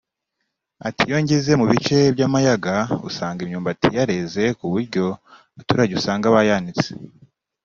Ati"Iyo ugeze mu bice by’amayaga usanga imyumbati yareze ku buryo abaturage usanga bayanitse